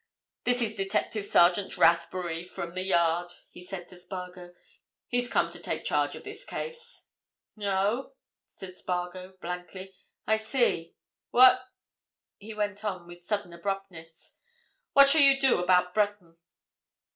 "This is Detective Sergeant Rathbury, from the Yard," he said to Spargo. "He's come to take charge of this case." "Oh?" said Spargo blankly. "I see—what," he went on, with sudden abruptness, "what shall you do about Breton?"